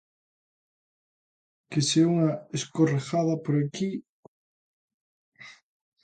Que se unha escorregada por aquí...